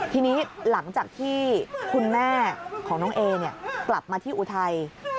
ทีนี้หลังจากที่คุณแม่ของน้องเอกลับมาที่อุทัย